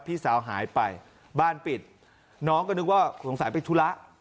พี่สาวหายไปบ้านปิดน้องก็นึกว่าสงสัยไปธุระ